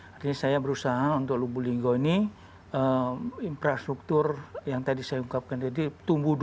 jadi saya berusaha untuk lubu linggau ini infrastruktur yang tadi saya ungkapkan tumbuh dulu